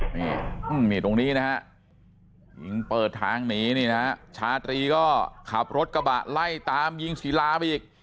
นี่นี่ตรงนี้นะฮะมันเปิดทางหนีนี่นะชาตรีก็ขับรถกระบะไล่ตามยิงศิลาไปอีก